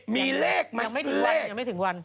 มีเลขมันเหล็กยังไม่ถึงวัน